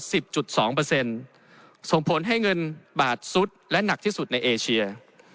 ส่งผลให้เงินบาทสุดและหนักที่สุดในเอเชีย